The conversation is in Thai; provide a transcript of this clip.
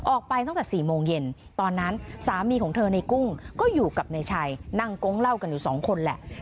ออกไปตั้งแต่๔โมงเย็นตอนนั้นสามีของเธอในกุ้งก็อยู่กับนายชัยนั่งกงเล่ากันอยู่สองคนแหละ